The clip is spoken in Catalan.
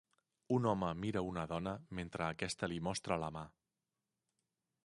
Un home mira una dona mentre aquesta li mostra la mà.